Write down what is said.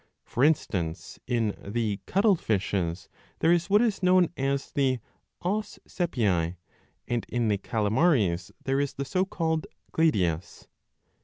For instance in the Cuttle fishes there is what is known as the os sepiae, and in the Calamaries there is the so called gladius.